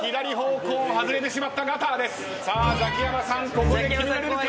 ここで決められるか。